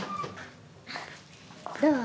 どう？